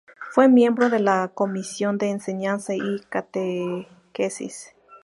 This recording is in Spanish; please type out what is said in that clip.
Fue miembro de la Comisión de Enseñanza y Catequesis.